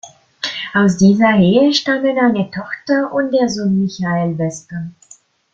Aus dieser Ehe stammen eine Tochter und der Sohn Michael Weston.